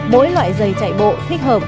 mỗi loại giày chạy bộ thích hợp